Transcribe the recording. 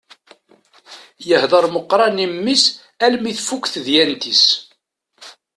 Yehder meqqran i mmi-s almi tfukk tedyant-is.